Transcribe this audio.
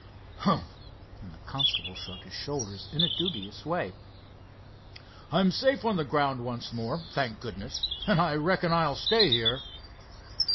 "Humph!" and the constable shrugged his shoulders in a dubious way. "I'm safe on the ground once more, thank goodness; and I reckon I'll stay here."